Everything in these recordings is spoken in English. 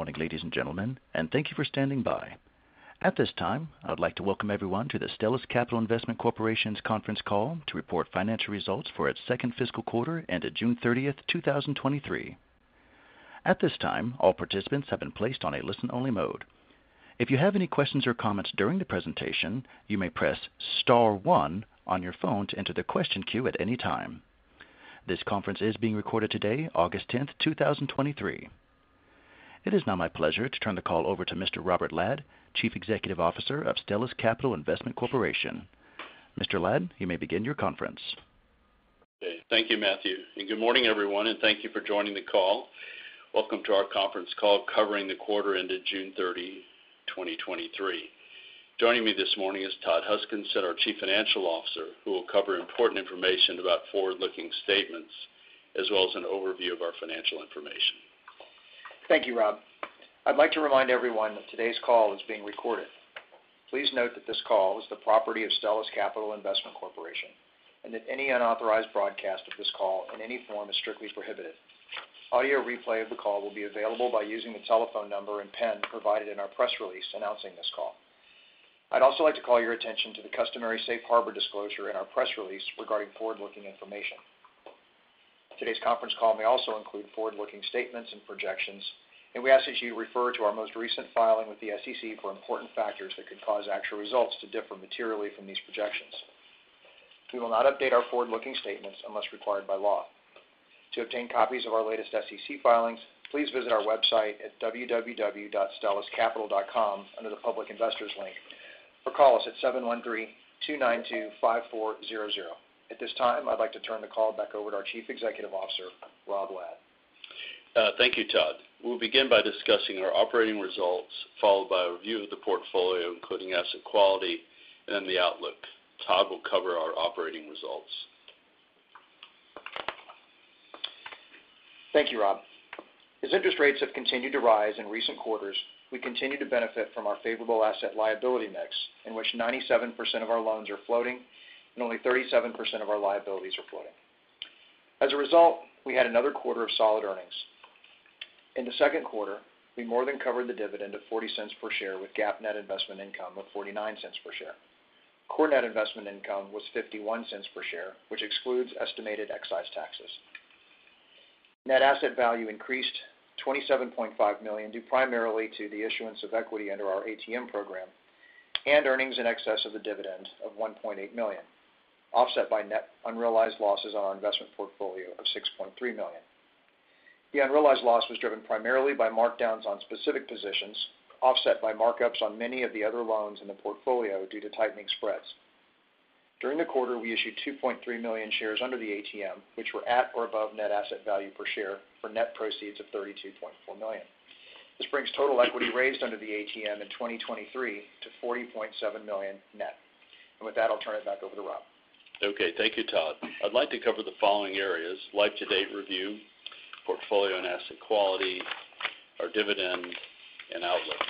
Good morning, ladies and gentlemen, and thank you for standing by. At this time, I would like to welcome everyone to the Stellus Capital Investment Corporation's conference call to report financial results for its second fiscal quarter ended June 30th, 2023. At this time, all participants have been placed on a listen-only mode. If you have any questions or comments during the presentation, you may press star one on your phone to enter the question queue at any time. This conference is being recorded today, August 10th, 2023. It is now my pleasure to turn the call over to Mr. Robert Ladd, Chief Executive Officer of Stellus Capital Investment Corporation. Mr. Ladd, you may begin your conference. Thank you, Matthew. Good morning, everyone, and thank you for joining the call. Welcome to our conference call covering the quarter ended June 30, 2023. Joining me this morning is Todd Huskinson, our Chief Financial Officer, who will cover important information about forward-looking statements, as well as an overview of our financial information. Thank you, Rob. I'd like to remind everyone that today's call is being recorded. Please note that this call is the property of Stellus Capital Investment Corporation, and that any unauthorized broadcast of this call in any form is strictly prohibited. Audio replay of the call will be available by using the telephone number and PIN provided in our press release announcing this call. I'd also like to call your attention to the customary Safe Harbor disclosure in our press release regarding forward-looking information. Today's conference call may also include forward-looking statements and projections, and we ask that you refer to our most recent filing with the SEC for important factors that could cause actual results to differ materially from these projections. We will not update our forward-looking statements unless required by law. To obtain copies of our latest SEC filings, please visit our website at www.stelluscapital.com under the Public Investors link, or call us at 713-292-5400. At this time, I'd like to turn the call back over to our Chief Executive Officer, Rob Ladd. Thank you, Todd. We'll begin by discussing our operating results, followed by a review of the portfolio, including asset quality and the outlook. Todd will cover our operating results. Thank you, Rob. As interest rates have continued to rise in recent quarters, we continue to benefit from our favorable asset liability mix, in which 97% of our loans are floating and only 37% of our liabilities are floating. As a result, we had another quarter of solid earnings. In the second quarter, we more than covered the dividend of $0.40 per share, with GAAP net investment income of $0.49 per share. Core net investment income was $0.51 per share, which excludes estimated excise taxes. Net asset value increased $27.5 million, due primarily to the issuance of equity under our ATM program and earnings in excess of the dividend of $1.8 million, offset by net unrealized losses on our investment portfolio of $6.3 million. The unrealized loss was driven primarily by markdowns on specific positions, offset by markups on many of the other loans in the portfolio due to tightening spreads. During the quarter, we issued 2.3 million shares under the ATM, which were at or above net asset value per share for net proceeds of $32.4 million. This brings total equity raised under the ATM in 2023 to $40.7 million net. With that, I'll turn it back over to Rob. Okay, thank you, Todd. I'd like to cover the following areas: life to date review, portfolio and asset quality, our dividend, and outlook.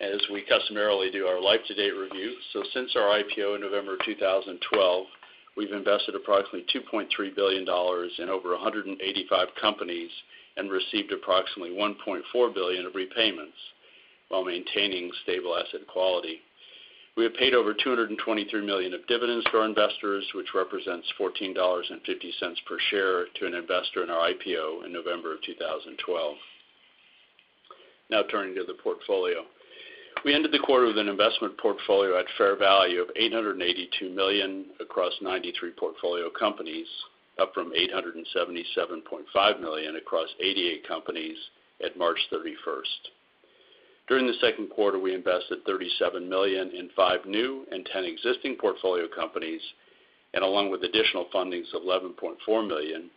As we customarily do our life-to-date review. Since our IPO in November 2012, we've invested approximately $2.3 billion in over 185 companies and received approximately $1.4 billion of repayments, while maintaining stable asset quality. We have paid over $223 million of dividends to our investors, which represents $14.50 per share to an investor in our IPO in November 2012. Turning to the portfolio. We ended the quarter with an investment portfolio at fair value of $882 million across 93 portfolio companies, up from $877.5 million across 88 companies at March 31st. During the second quarter, we invested $37 million in five new and 10 existing portfolio companies, and along with additional fundings of $11.4 million,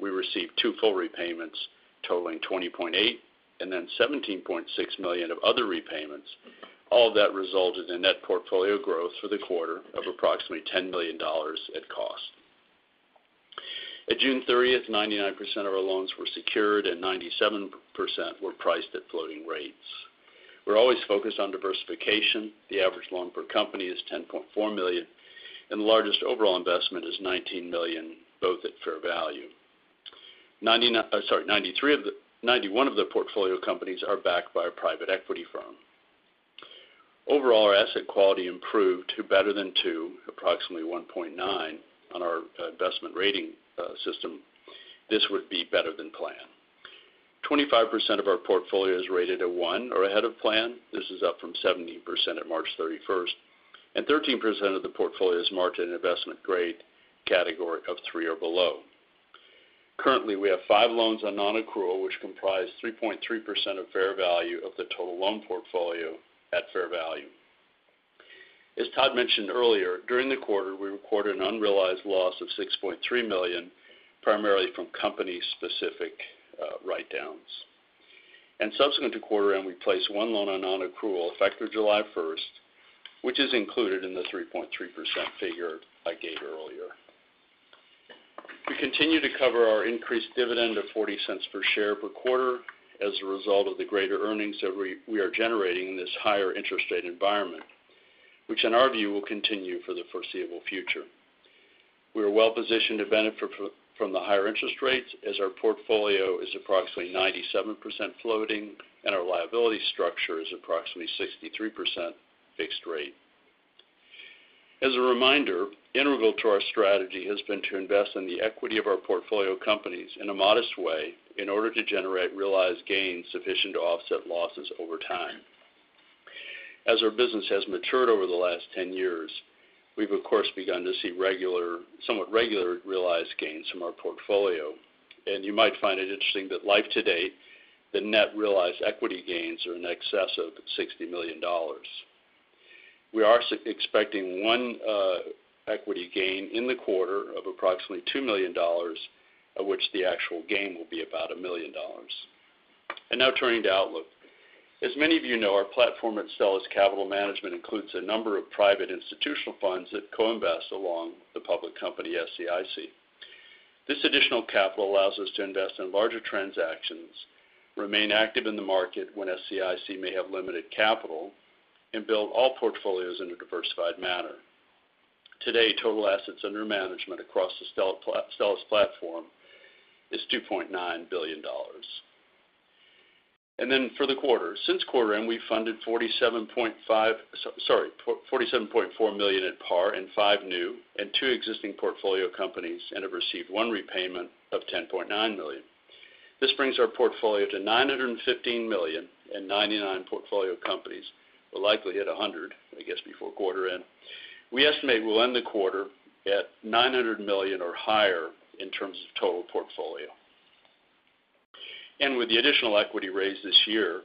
we received two full repayments totaling $20.8 million and then $17.6 million of other repayments. All of that resulted in net portfolio growth for the quarter of approximately $10 million at cost. At June 30th, 99% of our loans were secured and 97% were priced at floating rates. We're always focused on diversification. The average loan per company is $10.4 million, and the largest overall investment is $19 million, both at fair value. 91 of the portfolio companies are backed by a private equity firm. Overall, our asset quality improved to better than 2, approximately 1.9 on our investment rating system. This would be better than plan. 25% of our portfolio is rated a 1 or ahead of plan. This is up from 17% at March 31st. 13% of the portfolio is marked at an investment grade category of 3 or below. Currently, we have five loans on non-accrual, which comprise 3.3% of fair value of the total loan portfolio at fair value. As Todd mentioned earlier, during the quarter, we recorded an unrealized loss of $6.3 million, primarily from company-specific write-downs. Subsequent to quarter-end, we placed one loan on non-accrual, effective July 1st, which is included in the 3.3% figure I gave earlier. We continue to cover our increased dividend of $0.40 per share per quarter as a result of the greater earnings that we are generating in this higher interest rate environment, which in our view, will continue for the foreseeable future. We are well-positioned to benefit from the higher interest rates as our portfolio is approximately 97% floating and our liability structure is approximately 63% fixed rate. As a reminder, integral to our strategy has been to invest in the equity of our portfolio companies in a modest way in order to generate realized gains sufficient to offset losses over time. As our business has matured over the last 10 years, we've, of course, begun to see somewhat regular realized gains from our portfolio. You might find it interesting that life-to-date, the net realized equity gains are in excess of $60 million. We are expecting one equity gain in the quarter of approximately $2 million, of which the actual gain will be about $1 million. Now, turning to outlook. As many of you know, our platform at Stellus Capital Management includes a number of private institutional funds that co-invest along the public company, SCIC. This additional capital allows us to invest in larger transactions, remain active in the market when SCIC may have limited capital, and build all portfolios in a diversified manner. Today, total assets under management across the Stellus platform is $2.9 billion. Then for the quarter. Since quarter-end, we funded $47.4 million at par in five new and two existing portfolio companies, and have received one repayment of $10.9 million. This brings our portfolio to $915 million and 99 portfolio companies. We'll likely hit 100 before quarter end. We estimate we'll end the quarter at $900 million or higher in terms of total portfolio. With the additional equity raised this year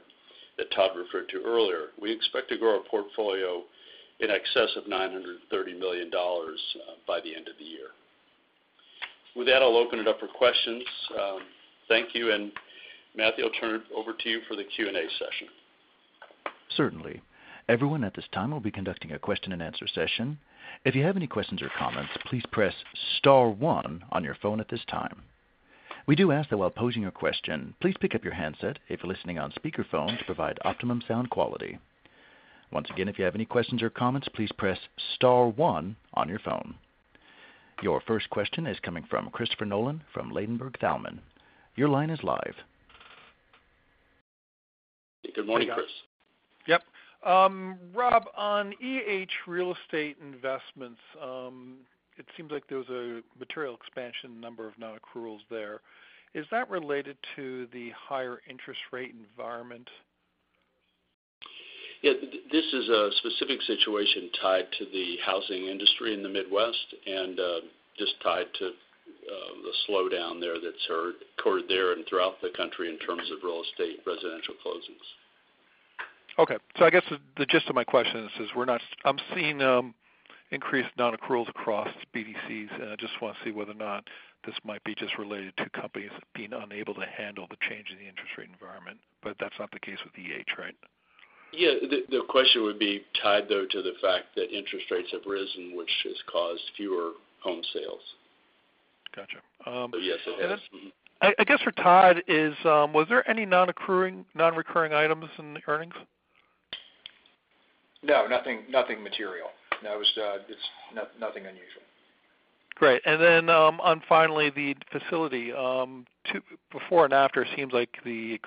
that Todd referred to earlier, we expect to grow our portfolio in excess of $930 million by the end of the year. With that, I'll open it up for questions. Thank you, and Matthew, I'll turn it over to you for the Q&A session. Certainly. Everyone at this time, we'll be conducting a question-and-answer session. If you have any questions or comments, please press star one on your phone at this time. We do ask that while posing your question, please pick up your handset if you're listening on speakerphone, to provide optimum sound quality. Once again, if you have any questions or comments, please press star one on your phone. Your first question is coming from Christopher Nolan from Ladenburg Thalmann. Your line is live. Good morning, Chris. Yep. Rob, on EH Real Estate Investments, it seems like there was a material expansion number of non-accruals there. Is that related to the higher interest rate environment? Yeah, this is a specific situation tied to the housing industry in the Midwest and just tied to the slowdown there that's occurred there and throughout the country in terms of real estate, residential closings. Okay. I guess the gist of my question is, is we're not-- I'm seeing increased non-accruals across BDC, and I just want to see whether or not this might be just related to companies being unable to handle the change in the interest rate environment. That's not the case with EH, right? Yeah, the, the question would be tied, though, to the fact that interest rates have risen, which has caused fewer home sales. Gotcha. Yes, it has. I guess for Todd is, was there any non-recurring items in the earnings? No, nothing material. No, it's nothing unusual. Great. Then, on finally, the facility, before and after, it seems like the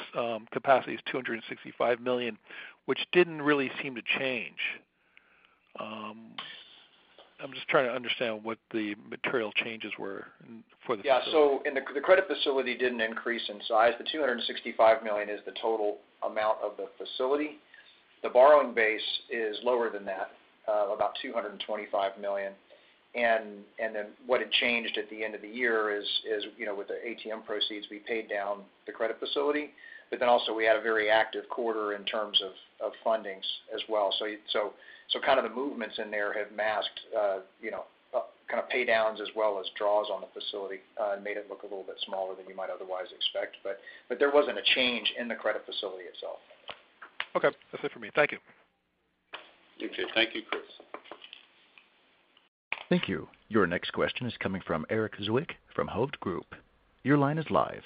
capacity is $265 million, which didn't really seem to change. I'm just trying to understand what the material changes were for the. Yeah. The credit facility didn't increase in size. The $265 million is the total amount of the facility. The borrowing base is lower than that, about $225 million. What had changed at the end of the year is, you know, with the ATM proceeds, we paid down the credit facility. Also, we had a very active quarter in terms of fundings as well. Kind of the movements in there have masked, you know, kind of pay downs as well as draws on the facility, and made it look a little bit smaller than you might otherwise expect. There wasn't a change in the credit facility itself. Okay. That's it for me. Thank you. Okay. Thank you, Chris. Thank you. Your next question is coming from Eric Zwick from Hovde Group. Your line is live.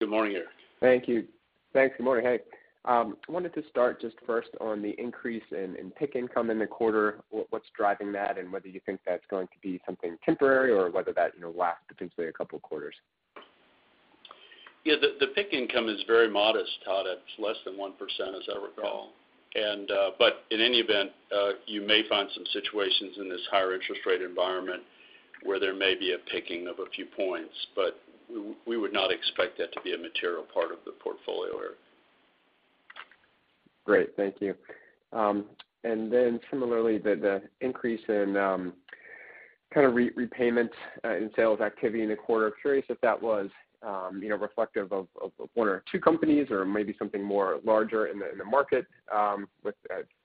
Good morning, Eric. Thank you. Thanks. Good morning. Hey, I wanted to start just first on the increase in PIK income in the quarter. What's driving that, and whether you think that's going to be something temporary or whether that, you know, last potentially a couple of quarters? The, the PIK income is very modest, Todd. It's less than 1%, as I recall. But in any event, you may find some situations in this higher interest rate environment where there may be a picking of a few points, but we would not expect that to be a material part of the portfolio, Eric. Great. Thank you. Then similarly, the increase in, kind of repayment, in sales activity in the quarter, I'm curious if that was, you know, reflective of one or two companies or maybe something more larger in the market. With,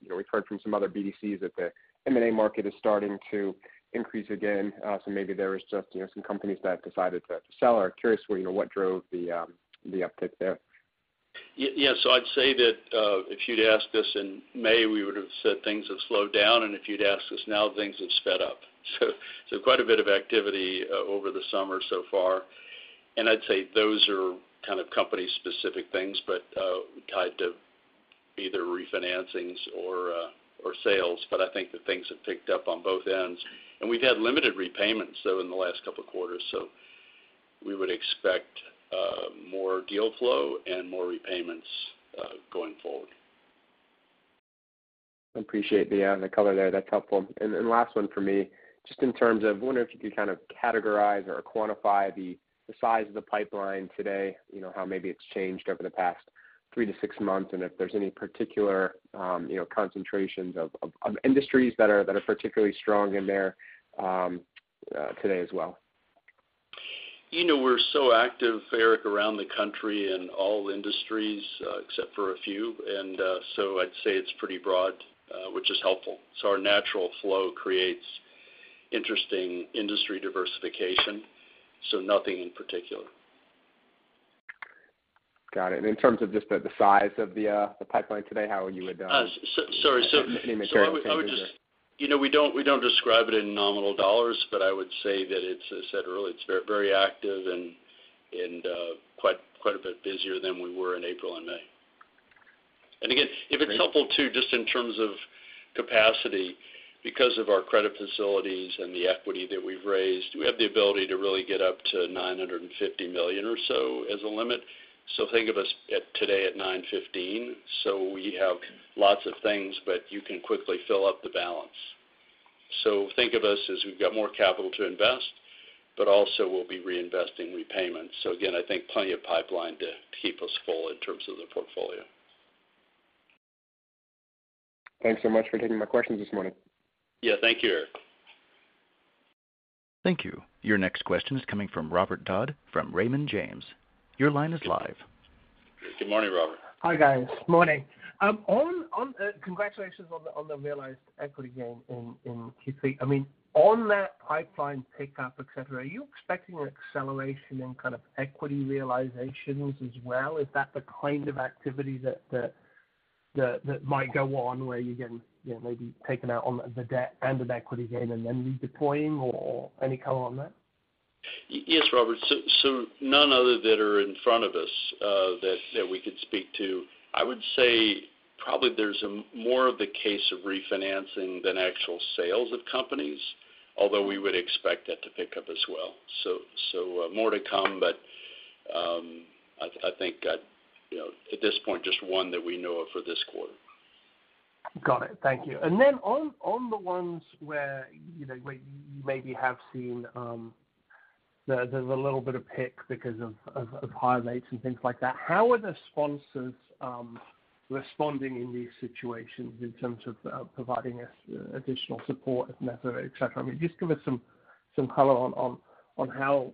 you know, we've heard from some other BDC that the M&A market is starting to increase again. Maybe there is just, you know, some companies that decided to sell. I'm curious where, you know, what drove the uptick there? Yes, I'd say that if you'd asked us in May, we would have said things have slowed down, and if you'd asked us now, things have sped up. So quite a bit of activity over the summer so far. I'd say those are kind of company-specific things, but, tied to, either refinancings or or sales, but I think that things have picked up on both ends. We've had limited repayments, though, in the last couple of quarters, so we would expect more deal flow and more repayments going forward. I appreciate the, the color there. That's helpful. Last one for me. Just in terms of, I wonder if you could kind of categorize or quantify the size of the pipeline today, you know, how maybe it's changed over the past three to six months, and if there's any particular, you know, concentrations of industries that are particularly strong in there, today as well? You know, we're so active, Eric, around the country in all industries, except for a few. I'd say it's pretty broad, which is helpful. Our natural flow creates interesting industry diversification, so nothing in particular. Got it. In terms of just the size of the pipeline today, how would you adopt in the current change there? I would, you know, we don't, we don't describe it in nominal dollars, but I would say that it's as I said earlier, it's very active and quite a bit busier than we were in April and May. Again, if it's helpful too, just in terms of capacity, because of our credit facilities and the equity that we've raised, we have the ability to really get up to $950 million or so as a limit. Think of us at today at $915 million. We have lots of things, but you can quickly fill up the balance. Think of us as we've got more capital to invest, but also we'll be reinvesting repayments. Again, I think plenty of pipeline to keep us full in terms of the portfolio. Thanks so much for taking my questions this morning. Yeah. Thank you, Eric. Thank you. Your next question is coming from Robert Dodd from Raymond James. Your line is live. Good morning, Robert. Hi, guys. Morning. Congratulations on the realized equity gain in Q3. I mean, on that pipeline pickup, et cetera, are you expecting an acceleration in kind of equity realizations as well? Is that the kind of activity that might go on where you're getting, you know, maybe taken out on the debt and an equity gain and then redeploying, or any color on that? Yes, Robert. None other that are in front of us, that we could speak to. I would say probably there's a more of the case of refinancing than actual sales of companies, although we would expect that to pick up as well. More to come, but I think, you know, at this point, just one that we know of for this quarter. Got it. Thank you. Then on the ones where, you know, where you maybe have seen, there's a little bit of PIK because of higher rates and things like that, how are the sponsors, responding in these situations in terms of, providing us, additional support if necessary, et cetera? I mean, just give us some color on how,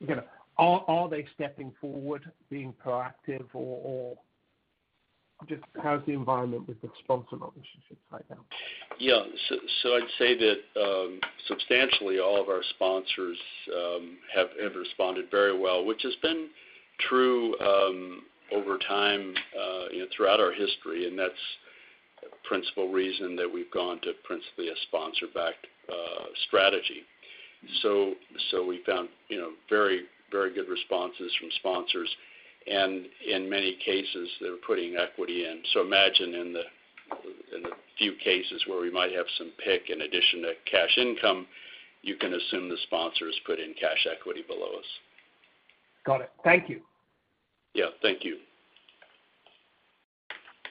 you know, are they stepping forward, being proactive, or just how's the environment with the sponsor relationships right now? Yeah. I'd say that substantially all of our sponsors have responded very well, which has been true, you know, throughout our history, and that's a principal reason that we've gone to principally a sponsor-backed strategy. We found, you know, very, very good responses from sponsors, and in many cases, they're putting equity in. Imagine in the few cases where we might have some PIK in addition to cash income, you can assume the sponsors put in cash equity below us. Got it. Thank you. Yeah, thank you.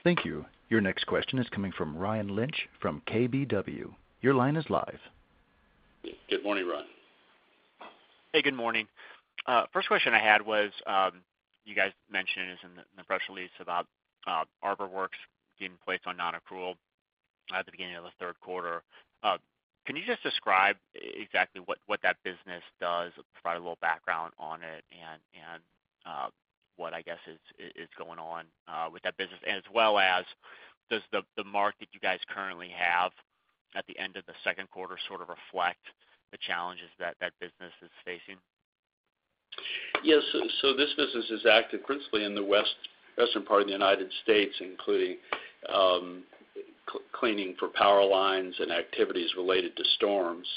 Thank you. Your next question is coming from Ryan Lynch, from KBW. Your line is live. Good morning, Ryan. Hey, good morning. First question I had was, you guys mentioned in the press release about ArborWorks being placed on non-accrual at the beginning of the third quarter. Can you just describe exactly what that business does, provide a little background on it, and what I guess is, is going on with that business? As well as, does the mark that you guys currently have at the end of the second quarter sort of reflect the challenges that business is facing? Yes. This business is active principally in the western part of the United States, including, cleaning for power lines and activities related to storms.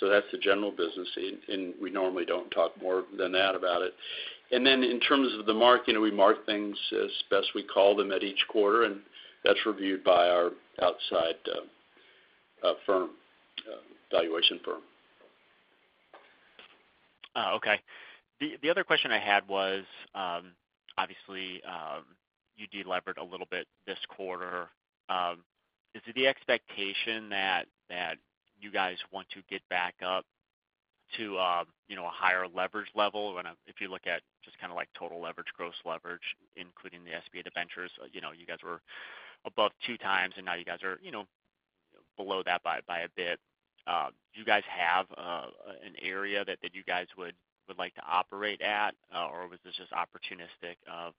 That's the general business, and we normally don't talk more than that about it. Then, in terms of the mark, you know, we mark things as best we call them at each quarter, and that's reviewed by our outside firm, valuation firm. Okay. The other question I had was, obviously, you delevered a little bit this quarter. Is it the expectation that you guys want to get back up to, you know, a higher leverage level? If you look at just kind of like total leverage, gross leverage, including the SBA debentures, you know, you guys were above two times, and now you guys are, you know, below that by a bit. Do you guys have an area that you guys would like to operate at? Was this just opportunistic of,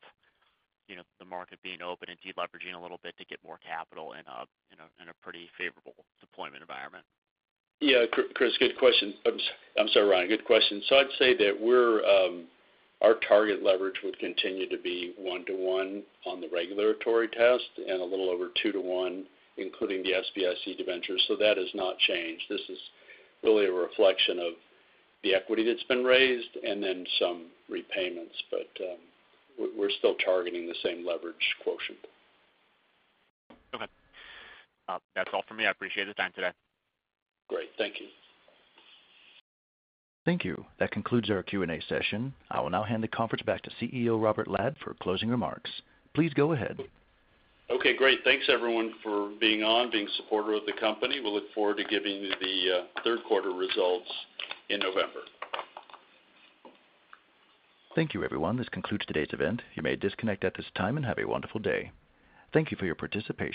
you know, the market being open and deleveraging a little bit to get more capital and in a pretty favorable deployment environment? Yeah, Chris, good question. I'm sorry, Ryan. Good question. I'd say that we're our target leverage would continue to be 1:1 on the regulatory test and a little over 2:1, including the SBIC debentures. That has not changed. This is really a reflection of the equity that's been raised and then some repayments, but we're still targeting the same leverage quotient. Okay. That's all for me. I appreciate the time today. Great. Thank you. Thank you. That concludes our Q&A session. I will now hand the conference back to CEO, Robert Ladd, for closing remarks. Please go ahead. Okay, great. Thanks, everyone, for being on, being supporter of the company. We look forward to giving you the third quarter results in November. Thank you, everyone. This concludes today's event. You may disconnect at this time and have a wonderful day. Thank you for your participation.